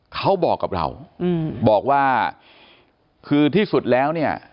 เขาบอกกับเราอืมบอกว่าคือที่สุดแล้วเนี่ย